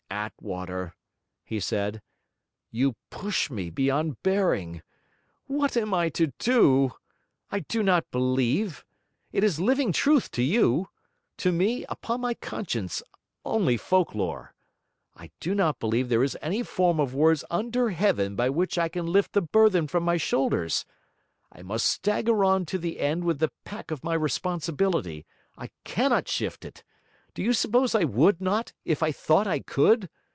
'Attwater,' he said, 'you push me beyond bearing. What am I to do? I do not believe. It is living truth to you; to me, upon my conscience, only folk lore. I do not believe there is any form of words under heaven by which I can lift the burthen from my shoulders. I must stagger on to the end with the pack of my responsibility; I cannot shift it; do you suppose I would not, if I thought I could?